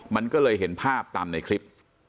มันก็เลยเห็นภาพตามในคลิป